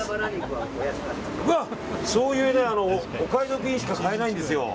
そういうお買い得品しか買えないんですよ。